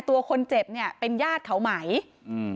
ตัวคนเจ็บเนี้ยเป็นญาติเขาไหมอืม